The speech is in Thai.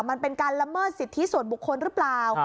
มันเป็นการละเมิดสิทธิส่วนบุคคลหรือเปล่า